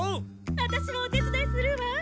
ワタシもお手つだいするわ。